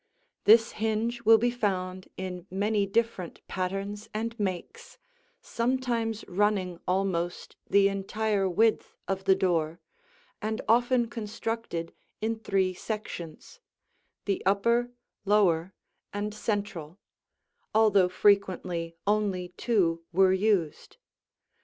This hinge will be found in many different patterns and makes, sometimes running almost the entire width of the door, and often constructed in three sections, the upper, lower, and central, although frequently only two were used.